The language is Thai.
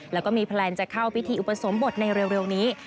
แล้วก็มีแพลนจะเข้าพิธีอุปสมบทในเร็วนี้